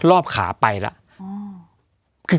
รอบขาไปแล้ว